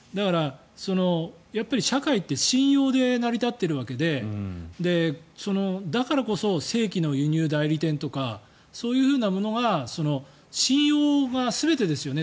社会って信用で成り立ってるわけでだからこそ正規の輸入代理店とかそういうふうなものが信用が全てですよね。